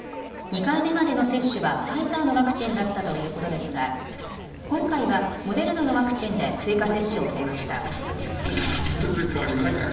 ２回目までの接種はファイザーのワクチンだったということですが今回はモデルナのワクチンで追加接種を受けました。